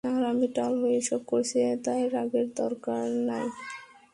আর আমি টাল হয়ে এসব করছি, তাই রাগ করার দরকার নেই।